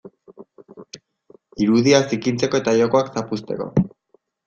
Irudia zikintzeko eta jokoak zapuzteko.